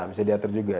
bisa diatur juga